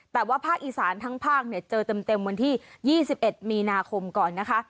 แต่ว่าภาคอีสานทั้งภาคเจอเต็มวันที่๒๑มีนาคมก่อนนะคะ